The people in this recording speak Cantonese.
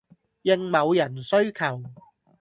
應某人需求